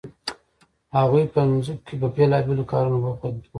هغوی په ځمکو کې په بیلابیلو کارونو بوخت وو.